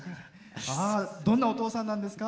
どんなお父さんなんですか。